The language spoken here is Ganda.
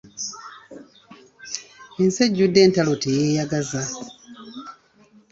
Ensi ejjudde entalo teyeeyagaza.